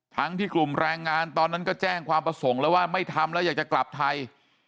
ทั้งที่กลุ่มแรงงานตอนนั้นก็แจ้งความประสงค์แล้วว่าไม่ทำแล้วอยากจะกลับไทย